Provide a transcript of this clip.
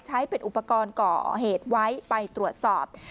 ใช้เป็นอุปกรณ์ก่อเหตุไว้ไปตรวจสอบ